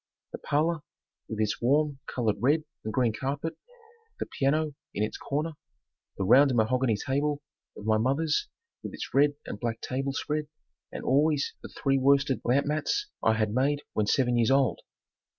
The parlor with its warm colored red and green carpet, the piano in its corner, the round mahogany table of my mother's with its red and black table spread and always the three worsted lamp mats I had made when seven years old.